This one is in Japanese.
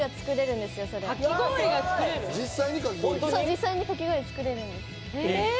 実際にかき氷作れるんです。